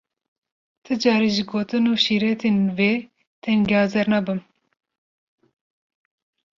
Ti carî ji gotin û şîretên wê tengezar nabim.